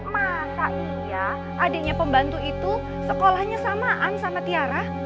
maka iya adiknya pembantu itu sekolahnya samaan sama tiara